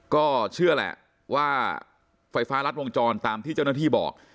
ก็เชื่อแหละว่าไฟฟ้ารัดวงจรตามที่เจ้าหน้าที่บอก